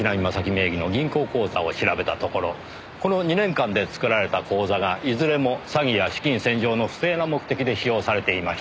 名義の銀行口座を調べたところこの２年間で作られた口座がいずれも詐欺や資金洗浄の不正な目的で使用されていました。